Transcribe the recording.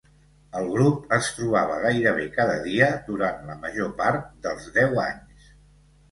El grup es trobava gairebé cada dia durant la major part dels deu anys.